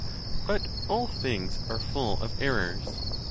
But all things are full of errors.